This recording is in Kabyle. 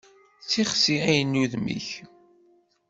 D tixsi ay n udem-ik.